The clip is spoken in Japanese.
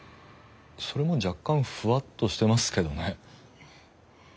それも若干ふわっとしてますけどね。